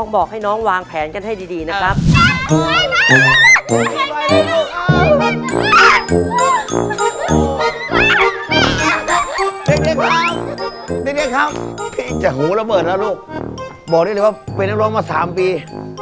บอกได้เลยว่าไปนักร้องมา๓ปี